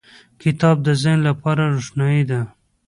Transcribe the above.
• کتاب د ذهن لپاره روښنایي ده.